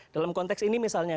dalam konteks ini misalnya